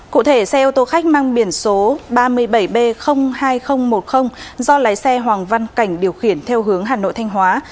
cụ thể xe ô tô khách mang biển số ba mươi bảy b hai nghìn một mươi do lái xe hoàng văn cảnh điều khiển theo hướng hà nội thanh hóa